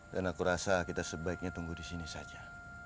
dan aku rasa kita sebaiknya tunggu disini saja